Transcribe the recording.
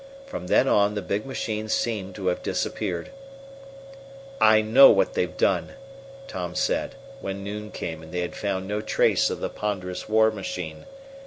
From then on the big machine seemed to have disappeared. "I know what they've done," Tom said, when noon came and they had found no trace of the ponderous war machine.